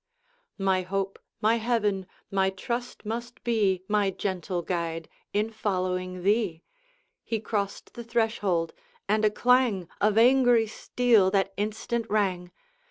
'My hope, my heaven, my trust must be, My gentle guide, in following thee!' He crossed the threshold, and a clang Of angry steel that instant rang.